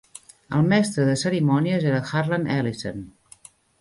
El mestre de cerimònies era Harlan Ellison.